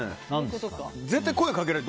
絶対声掛けられる。